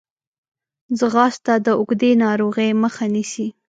ځغاسته د اوږدې ناروغۍ مخه نیسي